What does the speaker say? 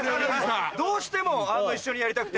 どうしても一緒にやりたくて。